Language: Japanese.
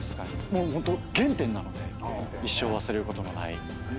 もうホント原点なので一生忘れることのない。